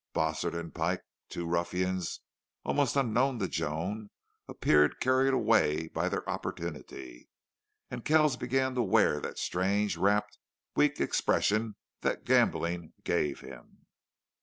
Bossert and Pike, two ruffians almost unknown to Joan, appeared carried away by their opportunity. And Kells began to wear that strange, rapt, weak expression that gambling gave him.